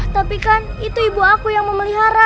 tapi kan itu ibu aku yang mau melihara